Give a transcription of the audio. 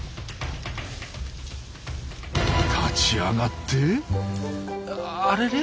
立ち上がってあれれ？